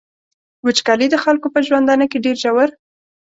وچکالي د خلکو په ژوندانه کي ډیر ژور.